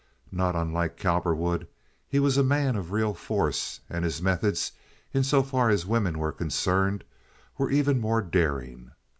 Not unlike Cowperwood, he was a man of real force, and his methods, in so far as women were concerned, were even more daring.